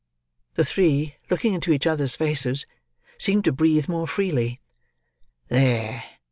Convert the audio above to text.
The three looking into each other's faces, seemed to breathe more freely. "There!"